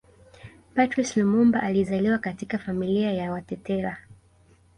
Patrice Lumumba alizaliwa katika familia ya Watetela